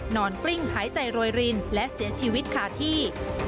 กลิ้งหายใจโรยรินและเสียชีวิตขาดที่